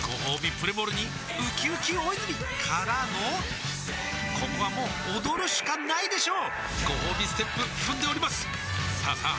プレモルにうきうき大泉からのここはもう踊るしかないでしょうごほうびステップ踏んでおりますさあさあ